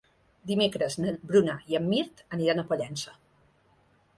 Dimecres na Bruna i en Mirt aniran a Pollença.